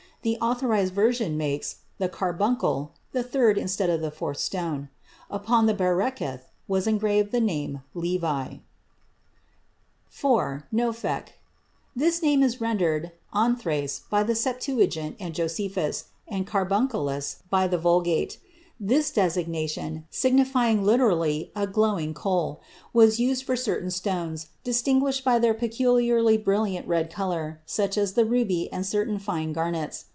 The Authorized Version makes "the carbuncle" the third instead of the fourth stone. Upon the bereketh was engraved the name Levi. IV. Nophek. [נֹפֶךּ.] This name is rendered ἄνθραξ by the Septuagint and Josephus, and "carbunculus" by the Vulgate. This designation, signifying literally "a glowing coal," was used for certain stones distinguished by their peculiarly brilliant red color, such as the ruby and certain fine garnets.